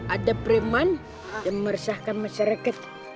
ada preman yang meresahkan masyarakat